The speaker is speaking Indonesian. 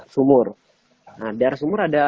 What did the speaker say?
sumur nah daerah sumur ada